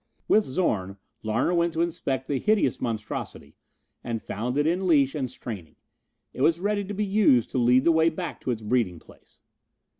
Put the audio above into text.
With Zorn Larner went to inspect the hideous monstrosity and found it in leash and straining. It was ready to be used to lead the way back to its breeding place.